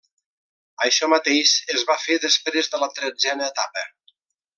Això mateix es va fer després de la tretzena etapa.